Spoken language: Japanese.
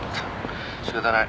仕方ない。